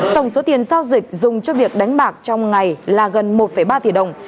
tổng số tiền giao dịch dùng cho việc đánh bạc trong ngày là gần một ba tỷ đồng